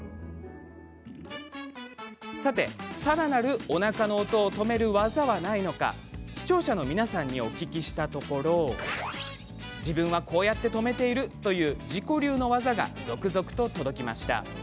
さて、さらなるおなかの音を止める技はないのか視聴者の皆さんにお聞きしたところ自分は、こうやって止めているという自己流の技が続々と届きました。